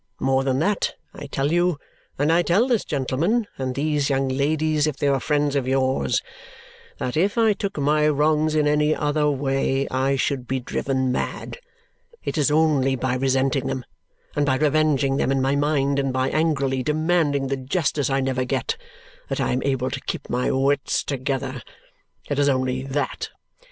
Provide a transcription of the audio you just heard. More than that, I tell you and I tell this gentleman, and these young ladies, if they are friends of yours that if I took my wrongs in any other way, I should be driven mad! It is only by resenting them, and by revenging them in my mind, and by angrily demanding the justice I never get, that I am able to keep my wits together. It is only that!"